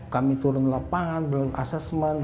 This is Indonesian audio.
kami turun ke lapangan belum assessment